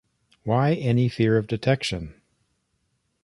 Why any fear of detection?